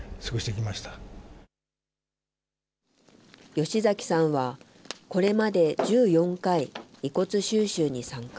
吉崎さんは、これまで１４回、遺骨収集に参加。